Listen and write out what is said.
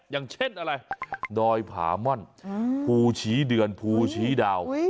อย่างเช่นอะไรดอยผาม่อนภูชีเดือนภูชีดาว